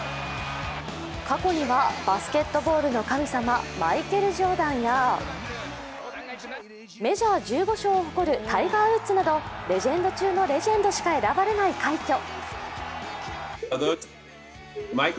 過去にはバスケットボールの神様、マイケル・ジョーダンやメジャー１５勝を誇るタイガー・ウッズなどレジェンド中のレジェンドしか選ばれない快挙。